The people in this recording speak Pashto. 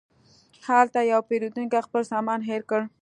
هلته یو پیرودونکی خپل سامان هېر کړ.